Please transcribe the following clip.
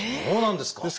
そうなんですか！